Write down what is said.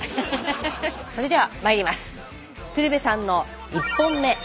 それではまいります。